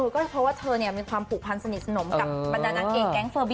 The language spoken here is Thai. ก็เพราะว่าเธอมีความผูกพันสนิทสนมกับบรรดานางเกงแก๊งเฟอร์บี